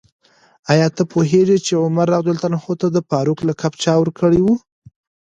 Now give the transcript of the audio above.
آیا ته پوهېږې چې عمر رض ته د فاروق لقب چا ورکړی و؟